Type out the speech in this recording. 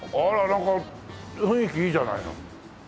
なんか雰囲気いいじゃないの。